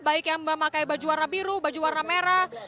baik yang memakai baju warna biru baju warna merah